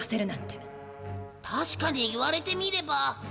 たしかに言われてみれば。